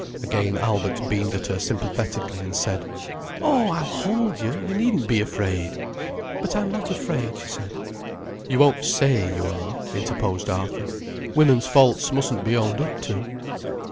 Again Albert beamed at her sympathetically, and said: "Oh, I'll hold you. You needn't be afraid." "But I'm not afraid," she said. "You won't say you are," interposed Arthur. "Women's faults mustn't be owned up to."